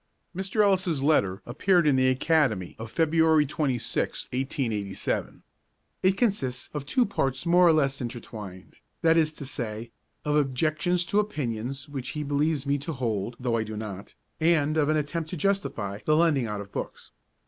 Mr. Ellis' letter appeared in the Academy of February 26, 1887. It consists of two parts more or less intertwined, that is to say, of objections to opinions which he believes me to hold though I do not, and of an attempt to justify the lending out of books.